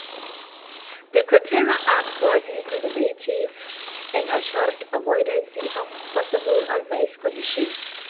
The criteria are broadly conservative and assure avoidance of possibly adverse conditions.